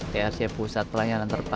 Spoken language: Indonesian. trc pusat pelayanan terpaksa